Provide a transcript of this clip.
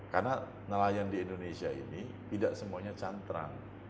karena nelayan di indonesia ini tidak semuanya cantrang